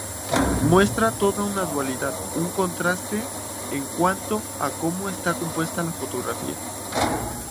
Muestra toda una dualidad, un contraste en cuanto a cómo está compuesta la fotografía.